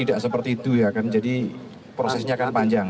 tidak seperti itu ya kan jadi prosesnya kan panjang